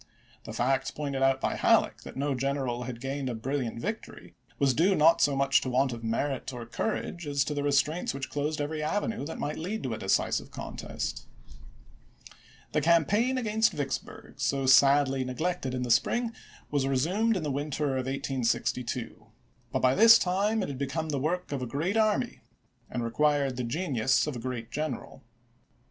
The fact pointed out by Halleck, that no general had gained a brilliant victory, was due not so much to want of merit or courage as to the re straints which closed every avenue that might lead to a decisive contest. The campaign against Vicksburg, so sadly neg lected in the spring, was resumed in the winter of 1862 ; but by this time it had become the work of a great army and required the genius of a great general.